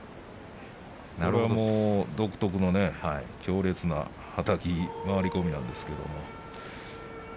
これも独特の強烈なはたき回り込みなんですけど。